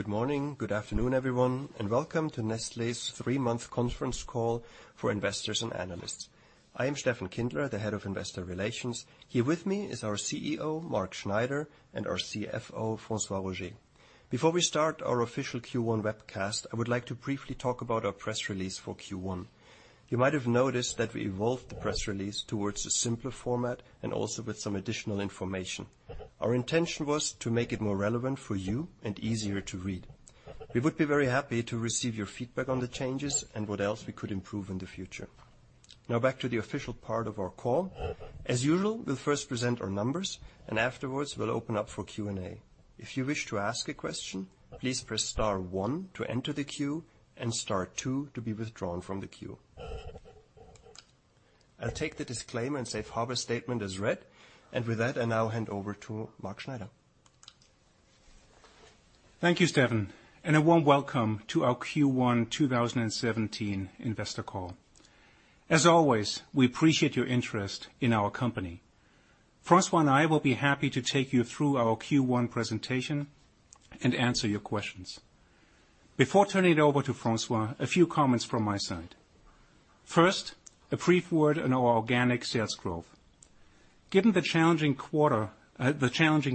Good morning, good afternoon, everyone, and welcome to Nestlé's three-month conference call for investors and analysts. I am Stefan Kindler, the Head of Investor Relations. Here with me is our CEO, Mark Schneider, and our CFO, François-Xavier Roger. Before we start our official Q1 webcast, I would like to briefly talk about our press release for Q1. You might have noticed that we evolved the press release towards a simpler format and also with some additional information. Our intention was to make it more relevant for you and easier to read. We would be very happy to receive your feedback on the changes and what else we could improve in the future. Back to the official part of our call. As usual, we'll first present our numbers. Afterwards we'll open up for Q&A. If you wish to ask a question, please press star one to enter the queue. Star two to be withdrawn from the queue. I'll take the disclaimer and safe harbor statement as read. With that, I now hand over to Mark Schneider. Thank you, Stefan. A warm welcome to our Q1 2017 investor call. As always, we appreciate your interest in our company. François and I will be happy to take you through our Q1 presentation. Answer your questions. Before turning it over to François, a few comments from my side. First, a brief word on our organic sales growth. Given the challenging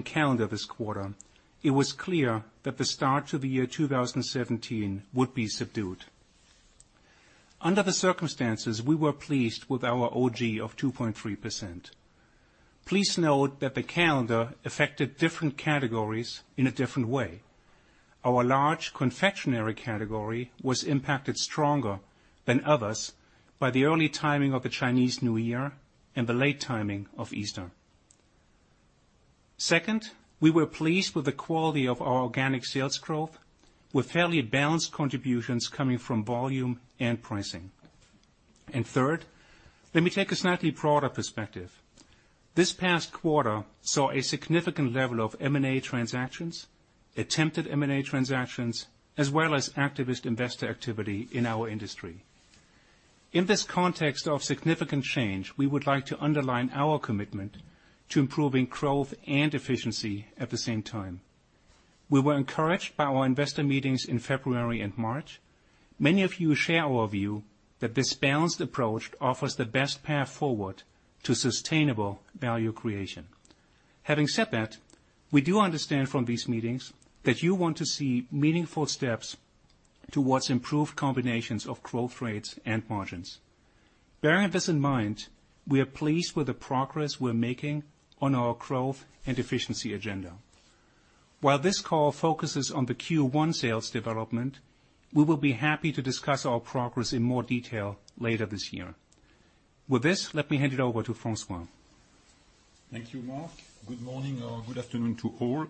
calendar this quarter, it was clear that the start to the year 2017 would be subdued. Under the circumstances, we were pleased with our OG of 2.3%. Please note that the calendar affected different categories in a different way. Our large confectionery category was impacted stronger than others by the early timing of the Chinese New Year and the late timing of Easter. Second, we were pleased with the quality of our organic sales growth, with fairly balanced contributions coming from volume and pricing. Third, let me take a slightly broader perspective. This past quarter saw a significant level of M&A transactions, attempted M&A transactions, as well as activist investor activity in our industry. In this context of significant change, we would like to underline our commitment to improving growth and efficiency at the same time. We were encouraged by our investor meetings in February and March. Many of you share our view that this balanced approach offers the best path forward to sustainable value creation. Having said that, we do understand from these meetings that you want to see meaningful steps towards improved combinations of growth rates and margins. Bearing this in mind, we are pleased with the progress we're making on our growth and efficiency agenda. While this call focuses on the Q1 sales development, we will be happy to discuss our progress in more detail later this year. With this, let me hand it over to François. Thank you, Mark. Good morning or good afternoon to all.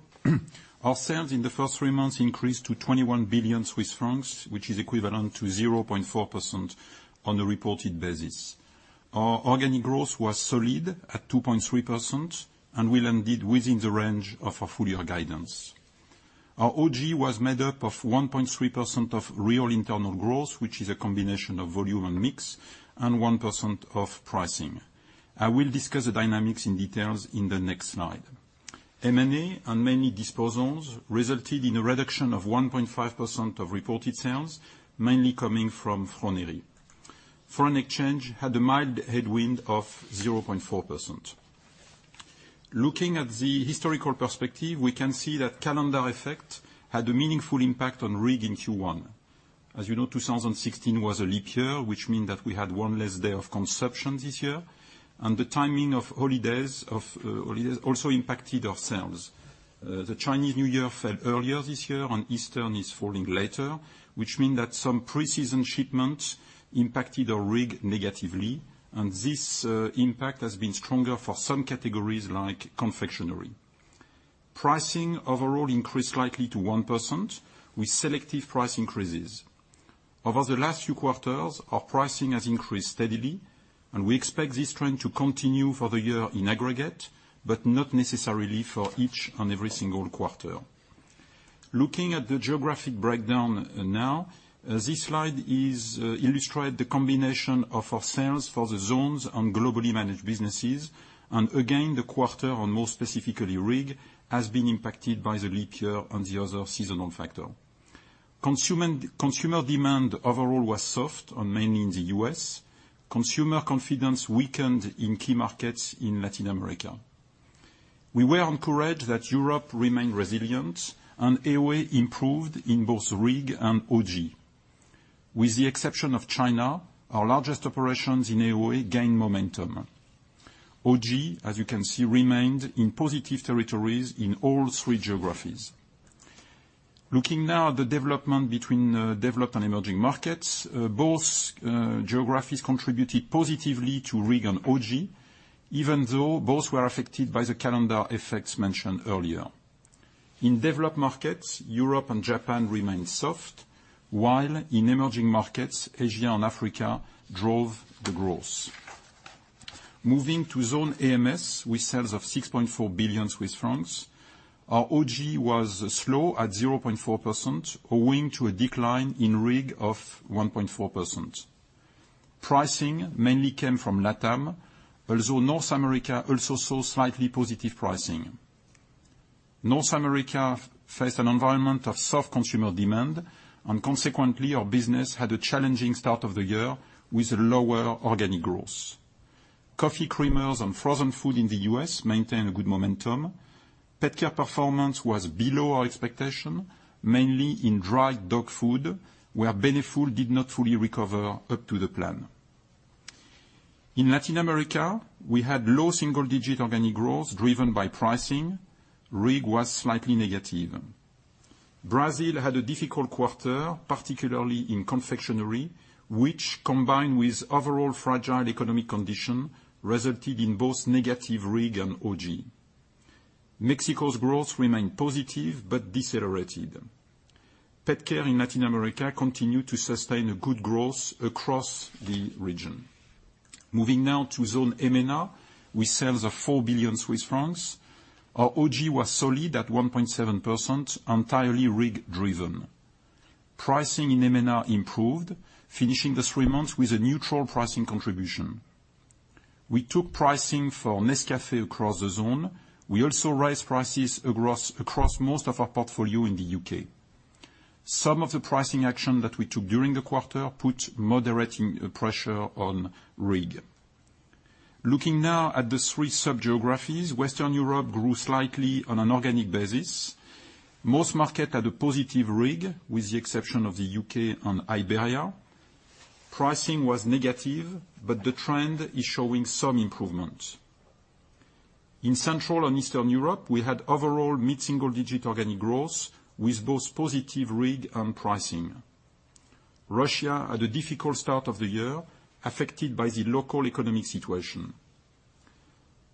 Our sales in the first three months increased to 21 billion Swiss francs, which is equivalent to 0.4% on a reported basis. Our organic growth was solid at 2.3%, and we landed within the range of our full year guidance. Our OG was made up of 1.3% of real internal growth, which is a combination of volume and mix, and 1% of pricing. I will discuss the dynamics in details in the next slide. M&A and many disposals resulted in a reduction of 1.5% of reported sales, mainly coming from Froneri. Foreign exchange had a mild headwind of 0.4%. Looking at the historical perspective, we can see that calendar effect had a meaningful impact on RIG in Q1. As you know, 2016 was a leap year, which means that we had one less day of consumption this year, and the timing of holidays also impacted our sales. The Chinese New Year fell earlier this year, and Easter is falling later, which means that some pre-season shipments impacted our RIG negatively, and this impact has been stronger for some categories like confectionery. Pricing overall increased slightly to 1% with selective price increases. Over the last few quarters, our pricing has increased steadily, and we expect this trend to continue for the year in aggregate, but not necessarily for each and every single quarter. Looking at the geographic breakdown now. This slide illustrate the combination of our sales for the zones and globally managed businesses, and again, the quarter and more specifically RIG, has been impacted by the leap year and the other seasonal factor. Consumer demand overall was soft and mainly in the U.S. Consumer confidence weakened in key markets in Latin America. We were encouraged that Europe remained resilient and AOA improved in both RIG and OG. With the exception of China, our largest operations in AOA gained momentum. OG, as you can see, remained in positive territories in all three geographies. Looking now at the development between developed and emerging markets. Both geographies contributed positively to RIG and OG, even though both were affected by the calendar effects mentioned earlier. In developed markets, Europe and Japan remained soft, while in emerging markets, Asia and Africa drove the growth. Moving to zone AMS with sales of 6.4 billion Swiss francs. Our OG was slow at 0.4%, owing to a decline in RIG of 1.4%. Pricing mainly came from LATAM, although North America also saw slightly positive pricing. Consequently, our business had a challenging start of the year with lower organic growth. Coffee creamers and frozen food in the U.S. maintained a good momentum. Pet care performance was below our expectation, mainly in dry dog food, where Beneful did not fully recover up to the plan. In Latin America, we had low single-digit organic growth driven by pricing. RIG was slightly negative. Brazil had a difficult quarter, particularly in confectionery, which, combined with overall fragile economic condition, resulted in both negative RIG and OG. Mexico's growth remained positive but decelerated. Pet care in Latin America continued to sustain a good growth across the region. Moving now to zone EMEA, with sales of 4 billion Swiss francs. Our OG was solid at 1.7%, entirely RIG driven. Pricing in EMEA improved, finishing the three months with a neutral pricing contribution. We took pricing for Nescafé across the zone. We also raised prices across most of our portfolio in the U.K. Some of the pricing action that we took during the quarter put moderating pressure on RIG. Looking now at the three sub-geographies. Western Europe grew slightly on an organic basis. Most markets had a positive RIG, with the exception of the U.K. and Iberia. Pricing was negative, but the trend is showing some improvement. In Central and Eastern Europe, we had overall mid-single digit organic growth with both positive RIG and pricing. Russia had a difficult start of the year, affected by the local economic situation.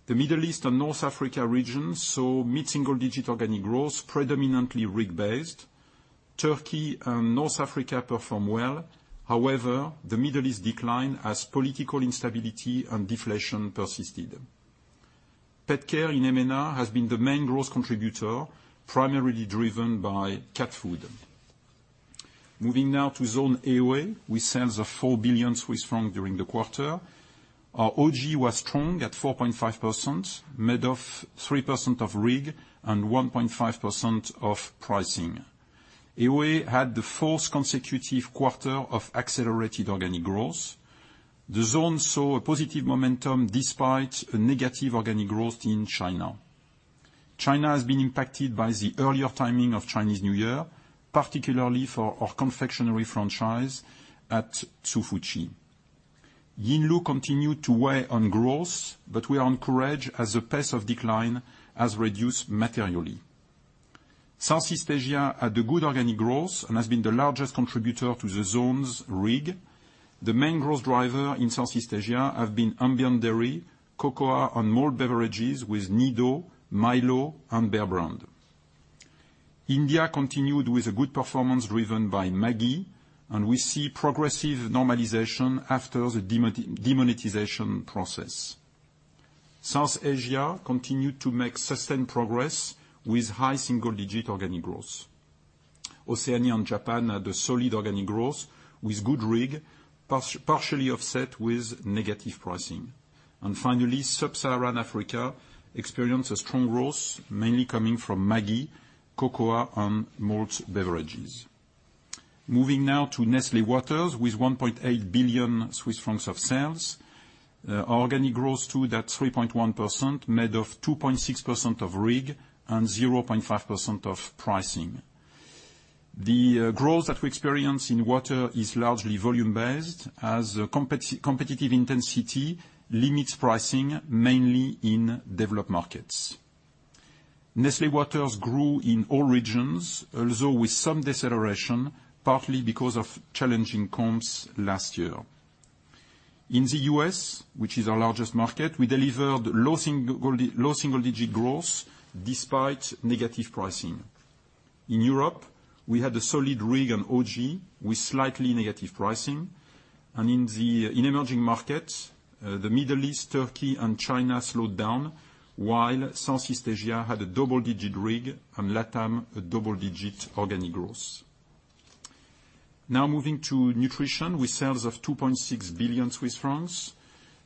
The Middle East and North Africa region saw mid-single digit organic growth, predominantly RIG based. Turkey and North Africa performed well. However, the Middle East declined as political instability and deflation persisted. Pet care in EMEA has been the main growth contributor, primarily driven by cat food. Moving now to zone AOA, with sales of 4 billion Swiss francs during the quarter. Our OG was strong at 4.5%, made of 3% of RIG and 1.5% of pricing. AOA had the fourth consecutive quarter of accelerated organic growth. The zone saw a positive momentum despite a negative organic growth in China. China has been impacted by the earlier timing of Chinese New Year, particularly for our confectionery franchise at Hsu Fu Chi. Yinlu continued to weigh on growth, but we are encouraged as the pace of decline has reduced materially. Southeast Asia had a good organic growth and has been the largest contributor to the zone's RIG. The main growth driver in Southeast Asia have been ambient dairy, cocoa, and malt beverages with Nido, Milo, and Bear Brand. India continued with a good performance driven by Maggi. We see progressive normalization after the demonetization process. South Asia continued to make sustained progress with high single-digit organic growth. Oceania and Japan had a solid organic growth with good RIG, partially offset with negative pricing. Finally, sub-Saharan Africa experienced a strong growth, mainly coming from Maggi, cocoa, and malt beverages. Moving now to Nestlé Waters with 1.8 billion Swiss francs of sales. Organic growth too at 3.1%, made of 2.6% of RIG and 0.5% of pricing. The growth that we experience in water is largely volume based as competitive intensity limits pricing, mainly in developed markets. Nestlé Waters grew in all regions, although with some deceleration, partly because of challenging comps last year. In the U.S., which is our largest market, we delivered low single-digit growth despite negative pricing. In Europe, we had a solid RIG and OG with slightly negative pricing. In emerging markets, the Middle East, Turkey, and China slowed down while Southeast Asia had a double-digit RIG and LATAM, a double-digit organic growth. Moving to nutrition with sales of 2.6 billion Swiss francs.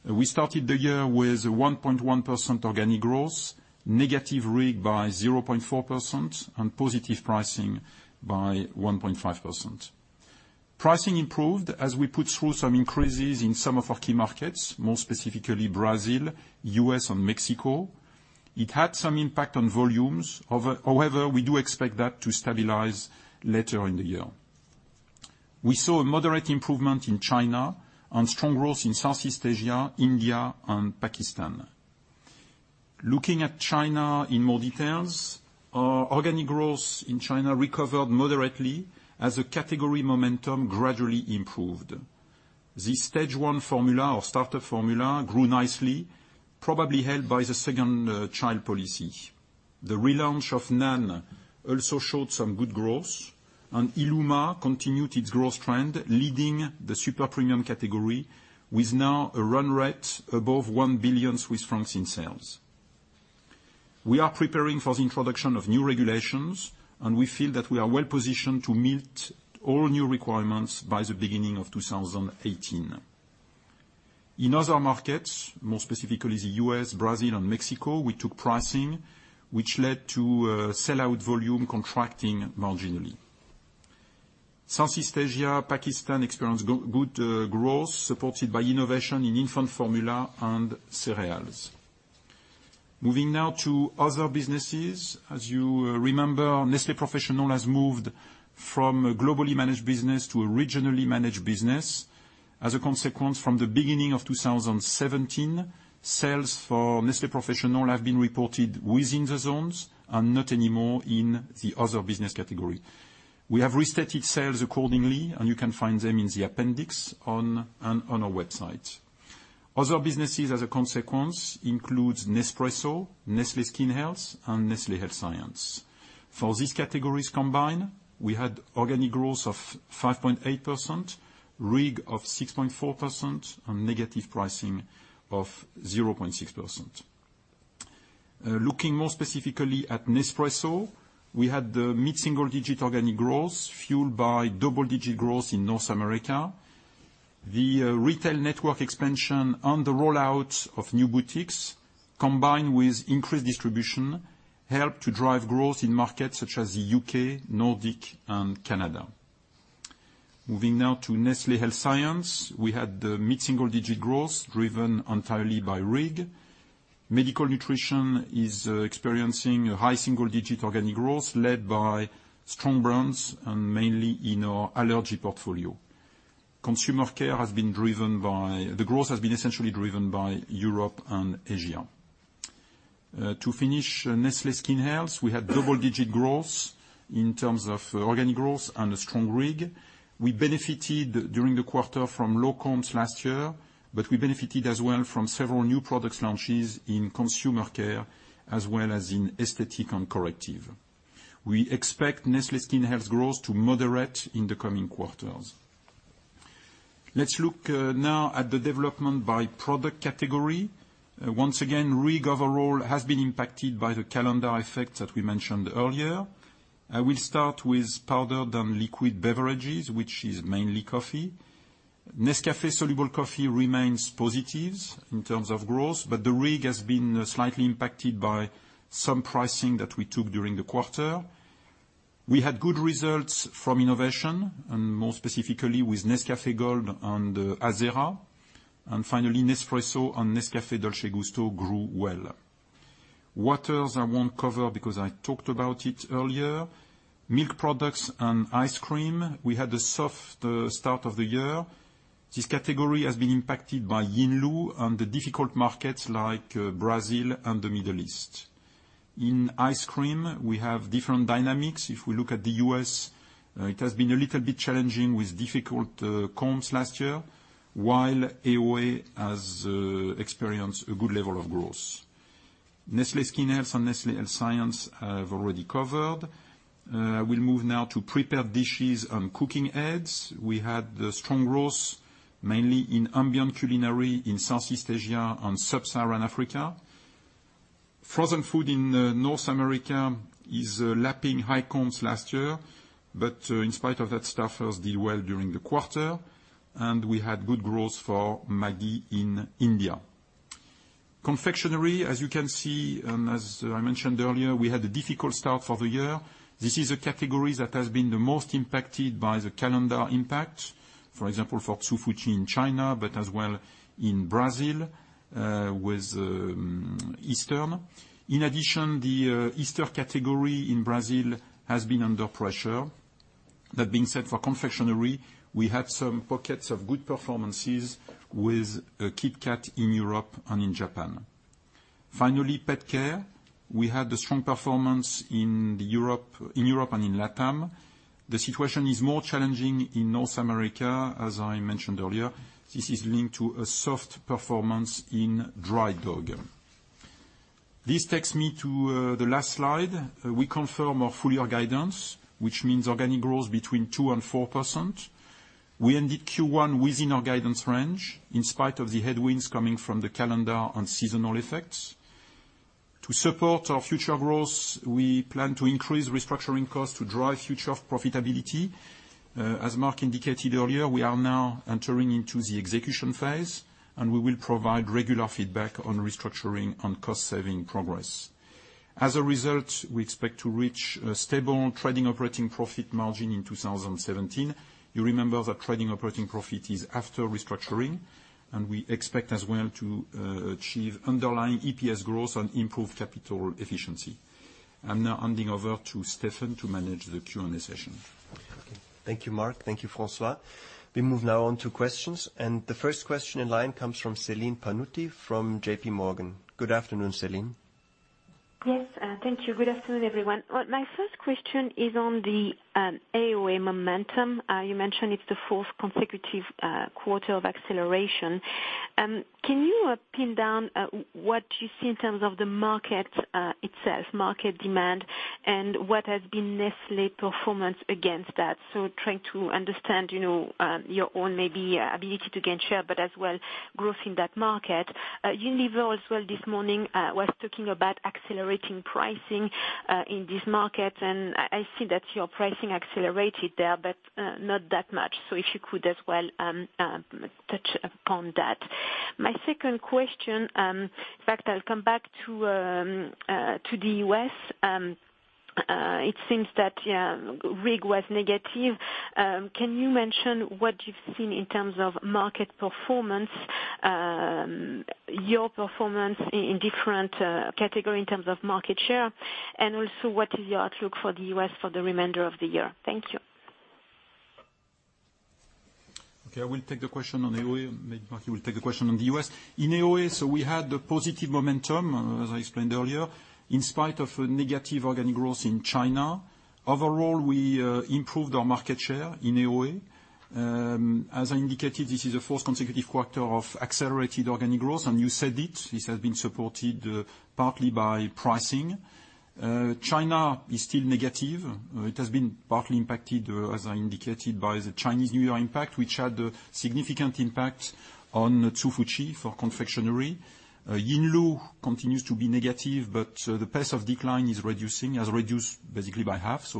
We started the year with 1.1% organic growth, negative RIG by 0.4%, and positive pricing by 1.5%. Pricing improved as we put through some increases in some of our key markets, more specifically Brazil, U.S., and Mexico. It had some impact on volumes. However, we do expect that to stabilize later in the year. We saw a moderate improvement in China and strong growth in Southeast Asia, India, and Pakistan. Looking at China in more details, our organic growth in China recovered moderately as the category momentum gradually improved. The stage 1 formula or starter formula grew nicely, probably helped by the two-child policy. The relaunch of NAN also showed some good growth, Illuma continued its growth trend, leading the super premium category with now a run rate above 1 billion Swiss francs in sales. We are preparing for the introduction of new regulations, we feel that we are well-positioned to meet all new requirements by the beginning of 2018. In other markets, more specifically the U.S., Brazil, and Mexico, we took pricing, which led to sellout volume contracting marginally. Southeast Asia, Pakistan experienced good growth supported by innovation in infant formula and cereals. Moving now to other businesses. As you remember, Nestlé Professional has moved from a globally managed business to a regionally managed business. As a consequence, from the beginning of 2017, sales for Nestlé Professional have been reported within the zones and not anymore in the other business category. We have restated sales accordingly, you can find them in the appendix on our website. Other businesses, as a consequence, includes Nespresso, Nestlé Skin Health, and Nestlé Health Science. For these categories combined, we had organic growth of 5.8%, RIG of 6.4%, and negative pricing of 0.6%. Looking more specifically at Nespresso, we had mid-single-digit organic growth fueled by double-digit growth in North America. The retail network expansion and the rollout of new boutiques combined with increased distribution helped to drive growth in markets such as the U.K., Nordic, and Canada. Moving now to Nestlé Health Science. We had mid-single-digit growth driven entirely by RIG. Medical nutrition is experiencing high single-digit organic growth led by strong brands and mainly in our allergy portfolio. Consumer care, the growth has been essentially driven by Europe and Asia. Nestlé Skin Health, we had double-digit growth in terms of organic growth and a strong RIG. We benefited during the quarter from low comps last year, we benefited as well from several new product launches in consumer care as well as in aesthetic and corrective. We expect Nestlé Skin Health growth to moderate in the coming quarters. Let's look now at the development by product category. Once again, RIG overall has been impacted by the calendar effect that we mentioned earlier. I will start with powdered and liquid beverages, which is mainly coffee. Nescafé soluble coffee remains positive in terms of growth, the RIG has been slightly impacted by some pricing that we took during the quarter. We had good results from innovation, and more specifically with Nescafé Gold and Nescafé Azera. Finally, Nespresso and Nescafé Dolce Gusto grew well. Waters, I won't cover because I talked about it earlier. Milk products and ice cream, we had a soft start of the year. This category has been impacted by Yinlu and the difficult markets like Brazil and the Middle East. In ice cream, we have different dynamics. If we look at the U.S., it has been a little bit challenging with difficult comps last year, while AOA has experienced a good level of growth. Nestlé Skin Health and Nestlé Health Science I've already covered. We'll move now to prepared dishes and cooking aids. We had strong growth mainly in ambient culinary in Southeast Asia and sub-Saharan Africa. Frozen food in North America is lapping high comps last year, but in spite of that, Stouffer's did well during the quarter, and we had good growth for Maggi in India. Confectionery, as you can see, as I mentioned earlier, we had a difficult start for the year. This is a category that has been the most impacted by the calendar impact. For example, for Hsu Fu Chi in China, but as well in Brazil with Easter. In addition, the Easter category in Brazil has been under pressure. That being said, for confectionery, we had some pockets of good performances with KitKat in Europe and in Japan. Finally, pet care. We had a strong performance in Europe and in LATAM. The situation is more challenging in North America, as I mentioned earlier. This is linked to a soft performance in dry dog. This takes me to the last slide. We confirm our full-year guidance, which means organic growth between 2%-4%. We ended Q1 within our guidance range in spite of the headwinds coming from the calendar and seasonal effects. To support our future growth, we plan to increase restructuring costs to drive future profitability. As Mark indicated earlier, we are now entering into the execution phase, and we will provide regular feedback on restructuring and cost-saving progress. As a result, we expect to reach a stable trading operating profit margin in 2017. You remember that trading operating profit is after restructuring, and we expect as well to achieve underlying EPS growth and improve capital efficiency. I'm now handing over to Stefan to manage the Q&A session. Okay. Thank you, Mark. Thank you, François. We move now on to questions, and the first question in line comes from Celine Pannuti from J.P. Morgan. Good afternoon, Celine. Yes. Thank you. Good afternoon, everyone. My first question is on the AOA momentum. You mentioned it's the fourth consecutive quarter of acceleration. Can you pin down what you see in terms of the market itself, market demand, and what has been Nestlé performance against that? Trying to understand your own maybe ability to gain share, but as well growth in that market. Unilever as well this morning was talking about accelerating pricing in this market, but not that much. If you could as well touch upon that. My second question, in fact, I'll come back to the U.S. It seems that RIG was negative. Can you mention what you've seen in terms of market performance, your performance in different category in terms of market share? What is your outlook for the U.S. for the remainder of the year? Thank you. Okay. I will take the question on AOA, maybe Mark will take the question on the U.S. In AOA, we had a positive momentum, as I explained earlier, in spite of negative organic growth in China. Overall, we improved our market share in AOA. As I indicated, this is the fourth consecutive quarter of accelerated organic growth, you said it, this has been supported partly by pricing. China is still negative. It has been partly impacted, as I indicated, by the Chinese New Year impact, which had a significant impact on Hsu Fu Chi for confectionery. Yinlu continues to be negative, but the pace of decline is reducing, has reduced basically by half,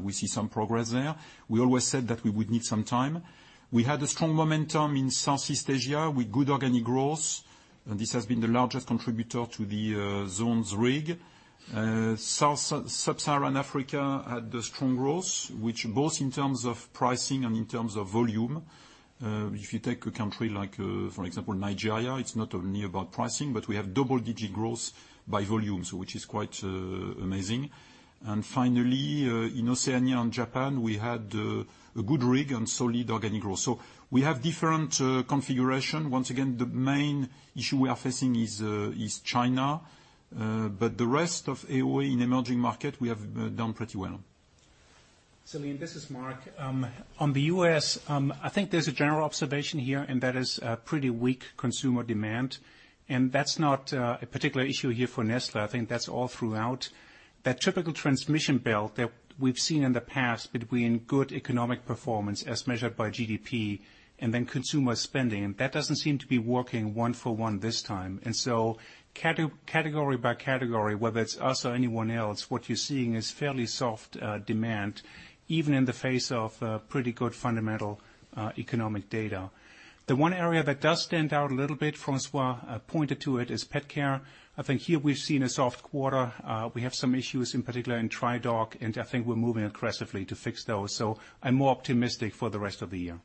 we see some progress there. We always said that we would need some time. We had a strong momentum in Southeast Asia with good organic growth, this has been the largest contributor to the zones RIG. Sub-Saharan Africa had a strong growth, which both in terms of pricing and in terms of volume. If you take a country like, for example, Nigeria, it's not only about pricing, but we have double-digit growth by volume, which is quite amazing. Finally, in Oceania and Japan, we had a good RIG and solid organic growth. We have different configuration. Once again, the main issue we are facing is China, but the rest of AOA in emerging market, we have done pretty well. Celine, this is Mark. On the U.S., I think there's a general observation here, and that is pretty weak consumer demand, and that's not a particular issue here for Nestlé. I think that's all throughout. That typical transmission belt that we've seen in the past between good economic performance as measured by GDP and then consumer spending, that doesn't seem to be working one-for-one this time. Category by category, whether it's us or anyone else, what you're seeing is fairly soft demand, even in the face of pretty good fundamental economic data. The one area that does stand out a little bit, François pointed to it, is pet care. I think here we've seen a soft quarter. We have some issues in particular in dry dog, and I think we're moving aggressively to fix those, so I'm more optimistic for the rest of the year.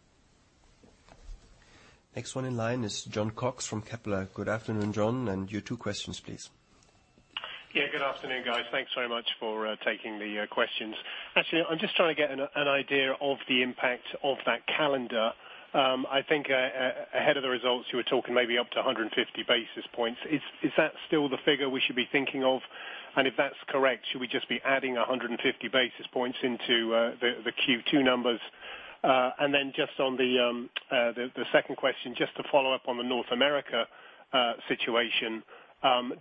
Next one in line is Jon Cox from Kepler. Good afternoon, Jon, and your two questions, please. Yeah, good afternoon, guys. Thanks very much for taking the questions. Actually, I'm just trying to get an idea of the impact of that calendar. I think ahead of the results, you were talking maybe up to 150 basis points. Is that still the figure we should be thinking of? If that's correct, should we just be adding 150 basis points into the Q2 numbers? Just to follow up on the North America situation,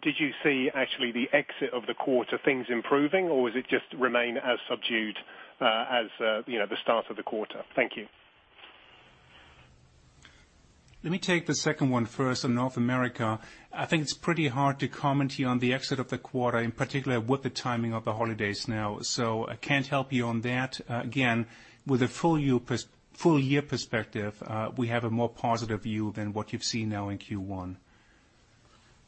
did you see actually the exit of the quarter, things improving, or was it just remain as subdued as the start of the quarter? Thank you. Let me take the second one first on North America. I think it's pretty hard to comment here on the exit of the quarter, in particular with the timing of the holidays now. I can't help you on that. Again, with a full year perspective, we have a more positive view than what you've seen now in Q1.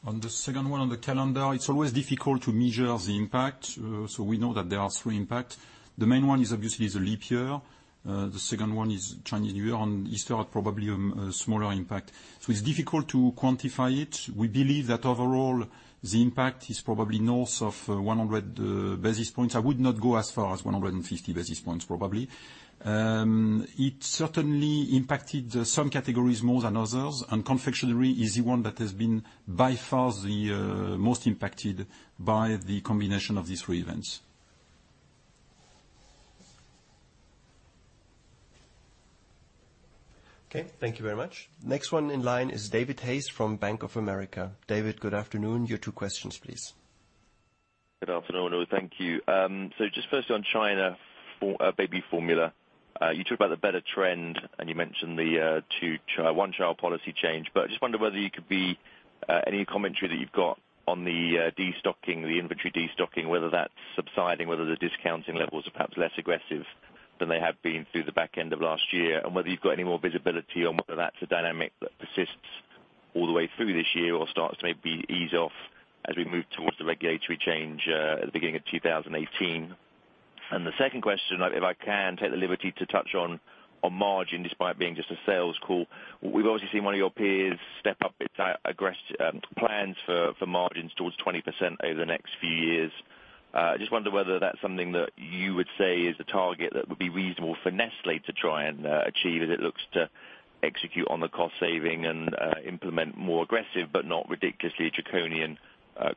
On the second one on the calendar, it's always difficult to measure the impact. We know that there are three impact. The main one is obviously the leap year. The second one is Chinese New Year, and Easter, probably a smaller impact. It's difficult to quantify it. We believe that overall the impact is probably north of 100 basis points. I would not go as far as 150 basis points probably. It certainly impacted some categories more than others, and confectionery is the one that has been by far the most impacted by the combination of these three events. Okay, thank you very much. Next one in line is David Hayes from Bank of America. David, good afternoon. Your two questions, please. Good afternoon. Thank you. Just firstly on China baby formula. You talked about the better trend and you mentioned the one-child policy change, but I just wonder whether you could be any commentary that you've got on the destocking, the inventory destocking, whether that's subsiding, whether the discounting levels are perhaps less aggressive than they have been through the back end of last year, and whether you've got any more visibility on whether that's a dynamic that persists all the way through this year or starts to maybe ease off as we move towards the regulatory change at the beginning of 2018. The second question, if I can take the liberty to touch on margin despite being just a sales call. We've obviously seen one of your peers step up its plans for margins towards 20% over the next few years. I just wonder whether that's something that you would say is a target that would be reasonable for Nestlé to try and achieve as it looks to execute on the cost saving and implement more aggressive but not ridiculously draconian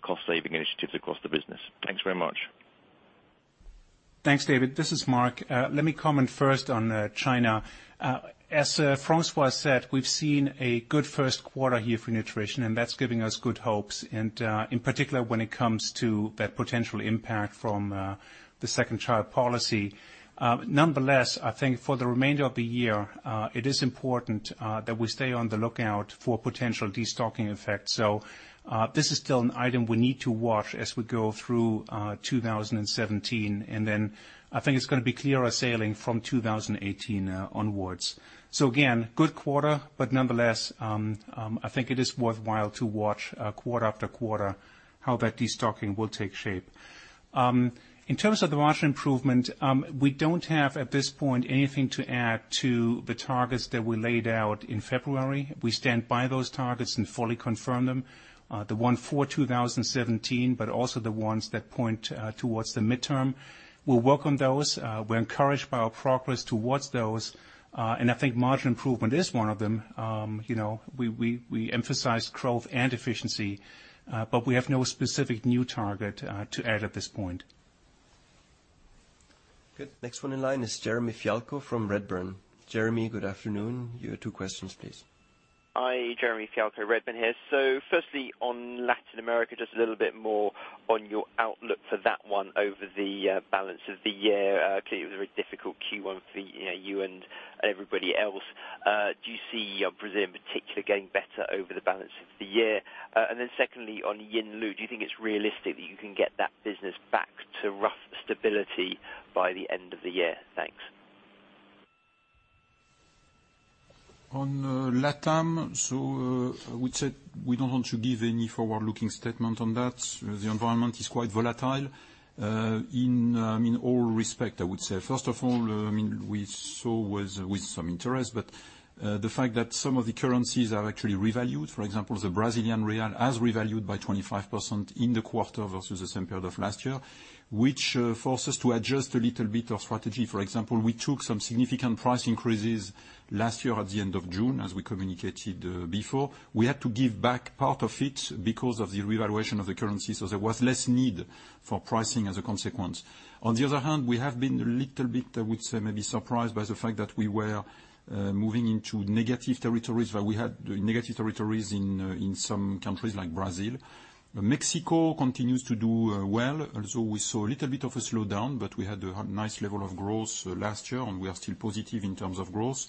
cost saving initiatives across the business. Thanks very much. Thanks, David. This is Mark. Let me comment first on China. As François Roger said, we've seen a good first quarter here for nutrition, and that's giving us good hopes, and in particular, when it comes to that potential impact from the two-child policy. Nonetheless, I think for the remainder of the year, it is important that we stay on the lookout for potential de-stocking effects. This is still an item we need to watch as we go through 2017, and then I think it's going to be clearer sailing from 2018 onwards. Again, good quarter, but nonetheless, I think it is worthwhile to watch quarter after quarter how that de-stocking will take shape. In terms of the margin improvement, we don't have, at this point, anything to add to the targets that we laid out in February. We stand by those targets and fully confirm them, the one for 2017, but also the ones that point towards the midterm. We'll work on those. We're encouraged by our progress towards those. I think margin improvement is one of them. We emphasize growth and efficiency, but we have no specific new target to add at this point. Good. Next one in line is Jeremy Fialko from Redburn. Jeremy, good afternoon. Your two questions, please. Hi. Jeremy Fialko, Redburn here. Firstly, on Latin America, just a little bit more on your outlook for that one over the balance of the year. Clearly, it was a very difficult Q1 for you and everybody else. Do you see Brazil in particular getting better over the balance of the year? Secondly, on Yinlu, do you think it's realistic that you can get that business back to rough stability by the end of the year? Thanks. On LATAM, I would say we don't want to give any forward-looking statement on that. The environment is quite volatile. In all respect, I would say, first of all, we saw with some interest, the fact that some of the currencies are actually revalued, for example, the Brazilian real has revalued by 25% in the quarter versus the same period of last year, which forces us to adjust a little bit our strategy. For example, we took some significant price increases last year at the end of June, as we communicated before. We had to give back part of it because of the revaluation of the currency, so there was less need for pricing as a consequence. On the other hand, we have been a little bit, I would say, maybe surprised by the fact that we were moving into negative territories, where we had negative territories in some countries like Brazil. Mexico continues to do well, although we saw a little bit of a slowdown, we had a nice level of growth last year, and we are still positive in terms of growth.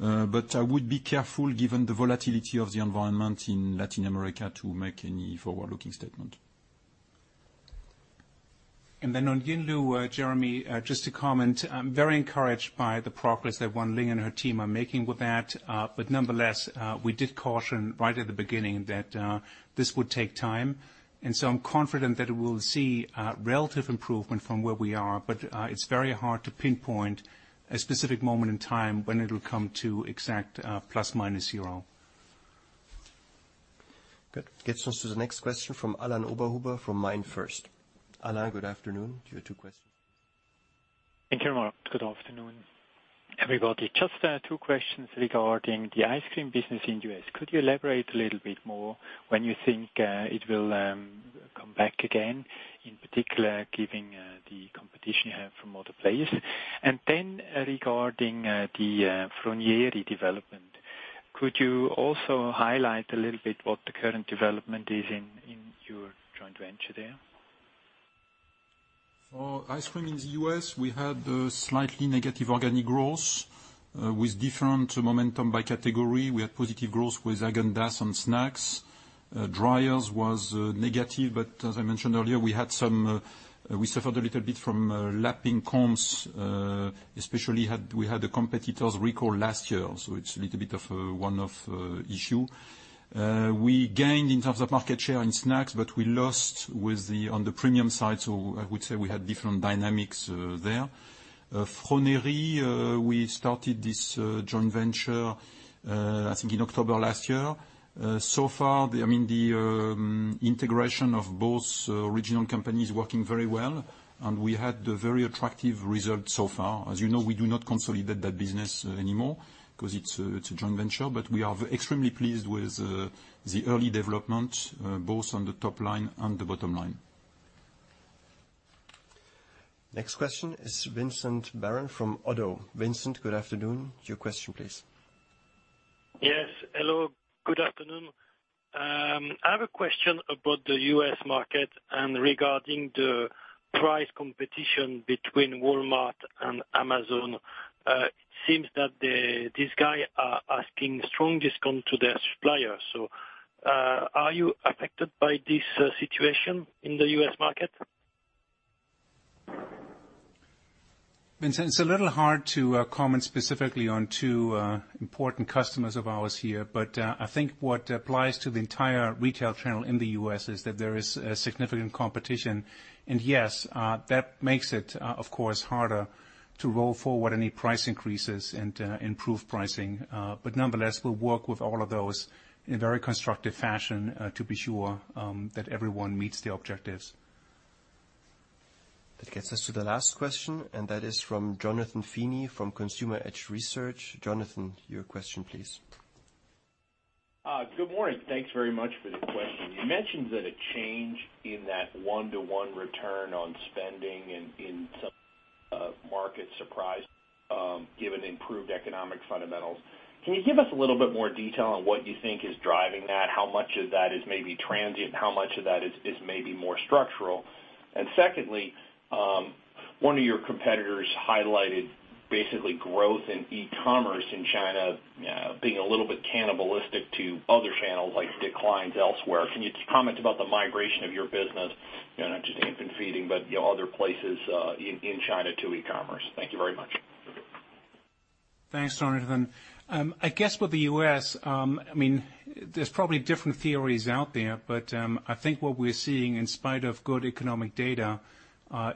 I would be careful, given the volatility of the environment in Latin America, to make any forward-looking statement. On Yinlu, Jeremy, just to comment, I'm very encouraged by the progress that Wan Ling and her team are making with that. Nonetheless, we did caution right at the beginning that this would take time. I'm confident that we'll see relative improvement from where we are, but it's very hard to pinpoint a specific moment in time when it'll come to exact plus or minus zero. Good. Gets us to the next question from Alain Oberhuber from MainFirst. Alain, good afternoon. Your two questions. Thank you very much. Good afternoon, everybody. Just two questions regarding the ice cream business in the U.S. Could you elaborate a little bit more when you think it will come back again, in particular, given the competition you have from other players? Then regarding the Froneri development, could you also highlight a little bit what the current development is in your joint venture there? For ice cream in the U.S., we had slightly negative organic growth with different momentum by category. We had positive growth with Häagen-Dazs and snacks. Dreyer's was negative, but as I mentioned earlier, we suffered a little bit from lapping comps, especially we had the competitors recall last year, so it's a little bit of a one-off issue. We gained in terms of market share in snacks, but we lost on the premium side, so I would say we had different dynamics there. Froneri, we started this joint venture I think in October last year. So far, the integration of both regional companies working very well. We had very attractive results so far. As you know, we do not consolidate that business anymore because it's a joint venture, but we are extremely pleased with the early development, both on the top line and the bottom line. Next question is Vincent Baron from Oddo. Vincent, good afternoon. Your question, please. Yes. Hello, good afternoon. I have a question about the U.S. market and regarding the price competition between Walmart and Amazon. It seems that these guys are asking strong discount to their suppliers. Are you affected by this situation in the U.S. market? Vincent, it's a little hard to comment specifically on two important customers of ours here, but I think what applies to the entire retail channel in the U.S. is that there is significant competition. Yes, that makes it, of course, harder to roll forward any price increases and improve pricing. Nonetheless, we'll work with all of those in a very constructive fashion to be sure that everyone meets the objectives. That gets us to the last question, and that is from Jonathan Feeney from Consumer Edge Research. Jonathan, your question, please. Good morning. Thanks very much for the question. You mentioned that a change in that one-to-one return on spending in some markets surprised, given improved economic fundamentals. Can you give us a little bit more detail on what you think is driving that? How much of that is maybe transient? How much of that is maybe more structural? Secondly, one of your competitors highlighted basically growth in e-commerce in China being a little bit cannibalistic to other channels, like declines elsewhere. Can you comment about the migration of your business, not just infant feeding, but other places in China to e-commerce? Thank you very much. Thanks, Jonathan. I guess with the U.S., there's probably different theories out there. I think what we're seeing, in spite of good economic data,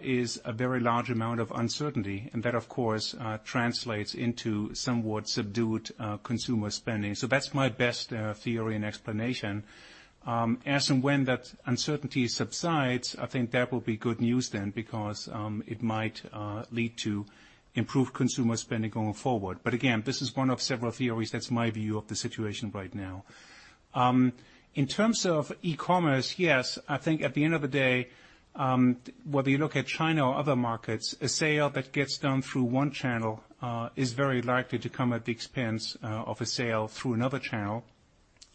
is a very large amount of uncertainty, and that, of course, translates into somewhat subdued consumer spending. That's my best theory and explanation. As and when that uncertainty subsides, I think that will be good news then, because it might lead to improved consumer spending going forward. Again, this is one of several theories. That's my view of the situation right now. In terms of e-commerce, yes, I think at the end of the day, whether you look at China or other markets, a sale that gets done through one channel is very likely to come at the expense of a sale through another channel.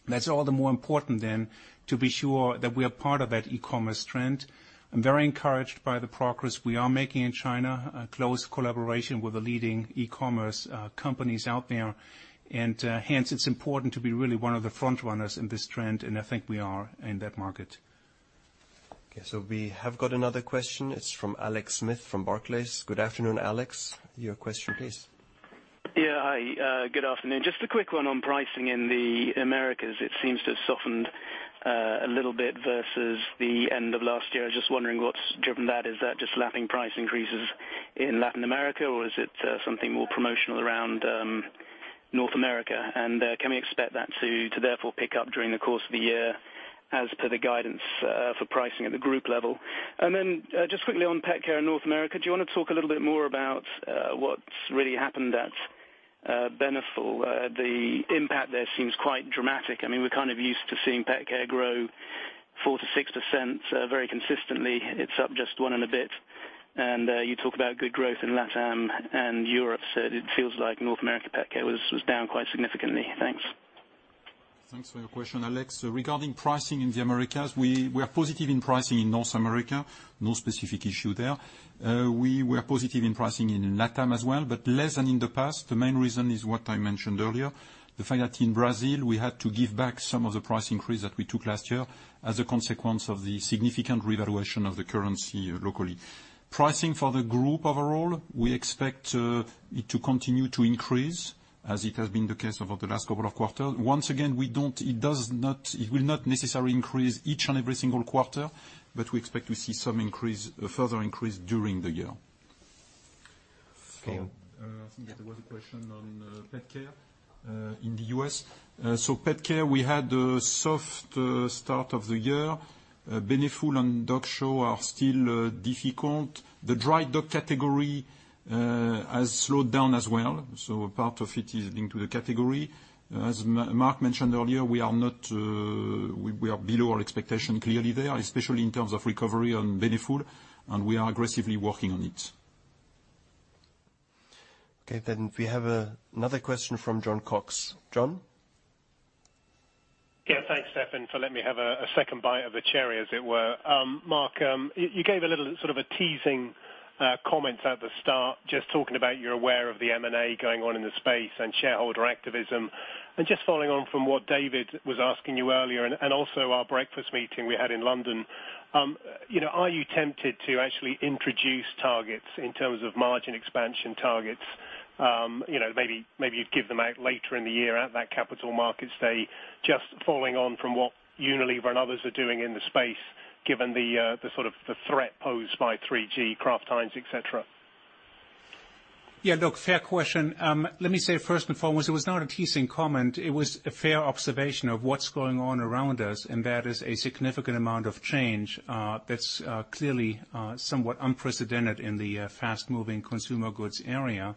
That's all the more important then, to be sure that we are part of that e-commerce trend. I'm very encouraged by the progress we are making in China, a close collaboration with the leading e-commerce companies out there. Hence, it's important to be really one of the front runners in this trend, and I think we are in that market. Okay, we have got another question. It's from Alexis Smith from Barclays. Good afternoon, Alex. Your question please. Yeah. Hi, good afternoon. Just a quick one on pricing in the Americas. It seems to have softened a little bit versus the end of last year. I was just wondering what's driven that. Is that just lapping price increases in Latin America, or is it something more promotional around North America? Can we expect that to therefore pick up during the course of the year as per the guidance for pricing at the group level? Then, just quickly on pet care in North America, do you want to talk a little bit more about what's really happened at Beneful? The impact there seems quite dramatic. We're kind of used to seeing pet care grow 4%-6% very consistently. It's up just one and a bit. You talk about good growth in LATAM and Europe, so it feels like North America pet care was down quite significantly. Thanks. Thanks for your question, Alex. Regarding pricing in the Americas, we are positive in pricing in North America. No specific issue there. We were positive in pricing in LATAM as well, less than in the past. The main reason is what I mentioned earlier, the fact that in Brazil we had to give back some of the price increase that we took last year as a consequence of the significant revaluation of the currency locally. Pricing for the group overall, we expect it to continue to increase, as it has been the case over the last couple of quarters. Once again, it will not necessarily increase each and every single quarter, we expect to see some further increase during the year. Okay. I think there was a question on pet care in the U.S. Pet care, we had a soft start of the year. Beneful and Dog Chow are still difficult. The dry dog category has slowed down as well, a part of it is linked to the category. As Mark mentioned earlier, we are below our expectation, clearly there, especially in terms of recovery on Beneful, we are aggressively working on it. We have another question from Jon Cox. Jon? Thanks, Stefan, for letting me have a second bite of the cherry, as it were. Mark, you gave a little sort of a teasing comment at the start, just talking about you're aware of the M&A going on in the space and shareholder activism. Just following on from what David was asking you earlier, also our breakfast meeting we had in London, are you tempted to actually introduce targets in terms of margin expansion targets? Maybe you'd give them out later in the year at that capital markets day, just following on from what Unilever and others are doing in the space, given the threat posed by 3G, Kraft Heinz, et cetera. Yeah, look, fair question. Let me say first and foremost, it was not a teasing comment. It was a fair observation of what's going on around us, and that is a significant amount of change that's clearly somewhat unprecedented in the fast-moving consumer goods area.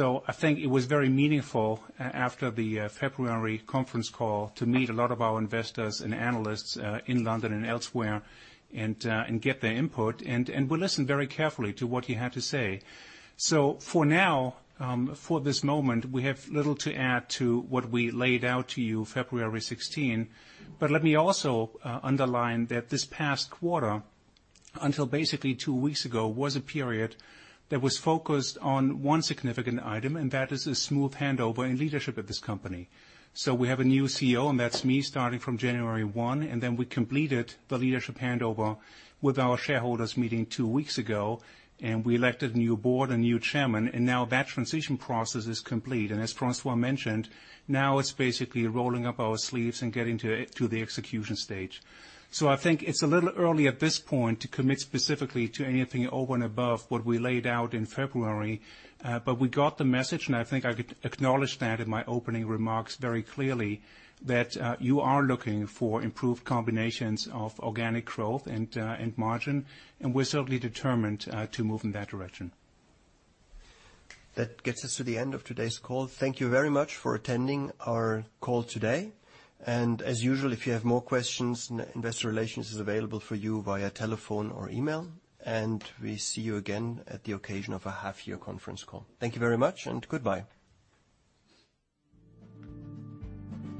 I think it was very meaningful, after the February conference call, to meet a lot of our investors and analysts in London and elsewhere, and get their input. We listened very carefully to what you had to say. For now, for this moment, we have little to add to what we laid out to you February 16. Let me also underline that this past quarter, until basically two weeks ago, was a period that was focused on one significant item, and that is a smooth handover in leadership at this company. We have a new CEO, and that's me, starting from January 1, and then we completed the leadership handover with our shareholders meeting two weeks ago, and we elected a new board, a new chairman, and now that transition process is complete. As François mentioned, now it's basically rolling up our sleeves and getting to the execution stage. I think it's a little early at this point to commit specifically to anything over and above what we laid out in February. We got the message, and I think I acknowledged that in my opening remarks very clearly, that you are looking for improved combinations of organic growth and margin, and we're certainly determined to move in that direction. That gets us to the end of today's call. Thank you very much for attending our call today. As usual, if you have more questions, investor relations is available for you via telephone or email. We'll see you again at the occasion of a half-year conference call. Thank you very much and goodbye.